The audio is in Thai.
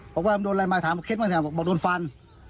บอกว่ามันโดนอะไรมาถามเคล็ดบางอย่างบอกโดนฟัน